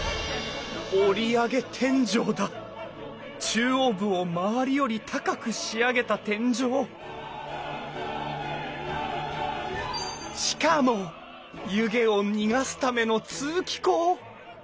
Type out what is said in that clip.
中央部を周りより高く仕上げた天井しかも湯気を逃がすための通気口！